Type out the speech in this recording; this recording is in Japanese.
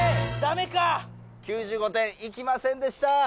９５点いきませんでした。